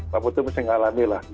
pak putut mesti mengalami lah